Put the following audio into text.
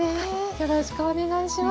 よろしくお願いします。